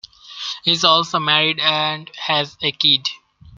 He is also married and has a kid.